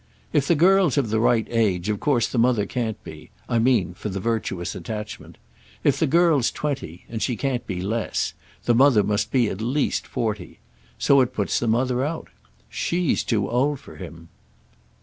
"If the girl's of the right age of course the mother can't be. I mean for the virtuous attachment. If the girl's twenty—and she can't be less—the mother must be at least forty. So it puts the mother out. She's too old for him."